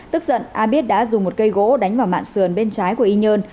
tức giận a biết đã dùng một cây gỗ đánh vào mạng sườn bên trái của y nhơn